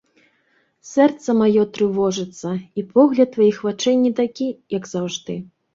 Сэрца маё трывожыцца, і погляд тваіх вачэй не такі, як заўжды.